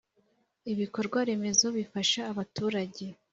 Ibikorwaremezo bifasha abaturage.